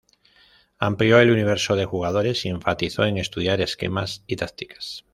Amplio el universo de jugadores y enfatizó en estudiar esquemas y tácticas.